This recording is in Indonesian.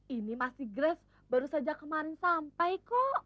ini masih grash baru saja kemarin sampai kok